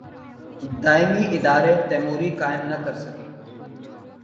دائمی ادارے تیموری قائم نہ کر سکے۔